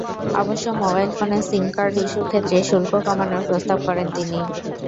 অবশ্য মোবাইল ফোনের sim card ইস্যুর ক্ষেত্রে শুল্ক কমানোর প্রস্তাব করেন তিনি।